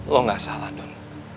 lo gak salah don